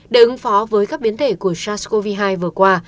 để ứng phó với các biến thể của sars cov hai vừa qua